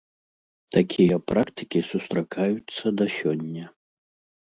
Такія практыкі сустракаюцца да сёння.